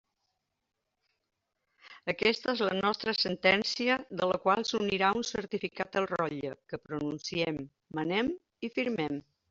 Aquesta és la nostra sentència, de la qual s'unirà un certificat al rotlle, que pronunciem, manem i firmem.